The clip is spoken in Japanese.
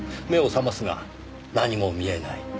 目を覚ますが何も見えない。